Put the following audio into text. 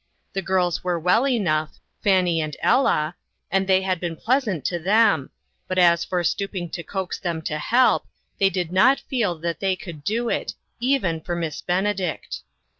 The girls were well enough, Fannie and Ella, and they had been pleasant to them; but as for stooping to coax them to help, they did not feel that they could do it, even for Miss Benedict.